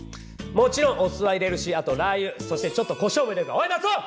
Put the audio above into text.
もちろんおすは入れるしあとラー油そしてちょっとコショウも入れおいマツオ！